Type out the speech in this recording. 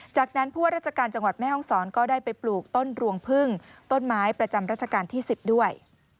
จากนั้นผู้ว่าราชการจังหวัดแม่ห้องศรก็ได้ไปปลูกต้นรวงพึ่งต้นไม้ประจำรัชกาลที่๑๐ด้วย